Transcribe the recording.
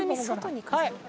はい。